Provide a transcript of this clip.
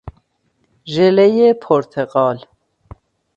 ژلهی پرتقال